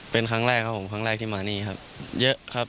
เป็นครั้งแรกครับผมครั้งแรกที่มานี่ครับเยอะครับ